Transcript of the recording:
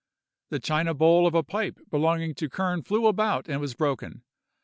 The china bowl of a pipe belonging to Kern flew about and was broken.